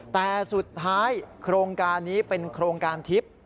แต่สุดท้ายโครงการนี้เป็นโครงการทิพย์